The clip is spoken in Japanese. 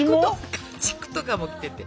家畜とかも来てて。